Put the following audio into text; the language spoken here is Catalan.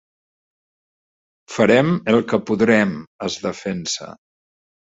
Farem el que podrem —es defensa—.